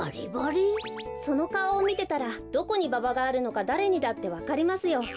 そのかおをみてたらどこにババがあるのかだれにだってわかりますよ。